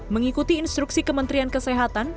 mengikuti instruksi kementrian kesehatan